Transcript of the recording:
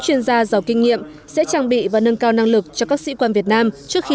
chuyên gia giàu kinh nghiệm sẽ trang bị và nâng cao năng lực cho các sĩ quan việt nam trước khi